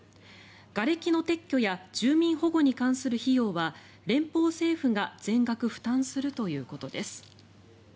がれきの撤去や住民保護に関する費用は連邦政府が全額負担するということです。